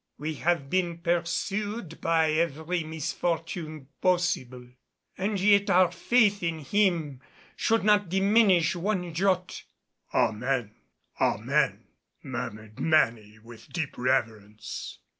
We have been pursued by every misfortune possible, and yet our faith in Him should not diminish one jot." "Amen! Amen!" murmured many with deep reverence.